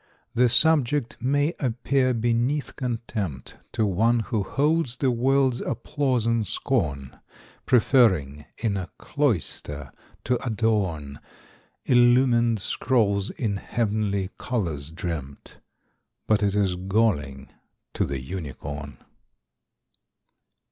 = The subject may appear beneath contempt `To one who holds the world's applause in scorn, `Preferring in a cloister to adorn "Illumined scrolls in heavenly colours dreamt," `But it is galling to the Unicorn.